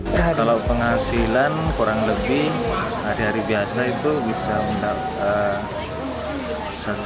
di sini pengunjung bisa menikmati sensasi berenang bersama ikan hiu dan memberi makan ribuan ikan hias